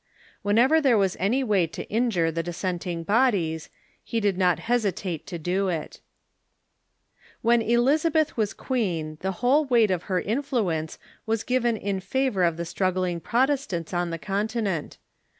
When ever there was any way to injure the dissenting bodies, he did not hesitate to do it. 294 THE MODKKN CHURCH When Elizabeth was queen the whole weight of her influ ence was given in favor of the struggling Protestants on the Continent.